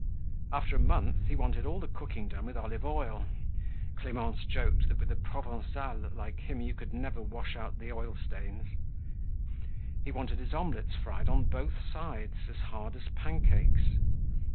After a month he wanted all the cooking done with olive oil. Clemence joked that with a Provencal like him you could never wash out the oil stains. He wanted his omelets fried on both sides, as hard as pancakes.